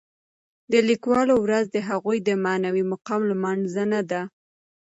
د لیکوالو ورځ د هغوی د معنوي مقام لمانځنه ده.